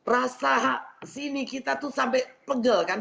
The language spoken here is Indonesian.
rasa sini kita tuh sampai pegel kan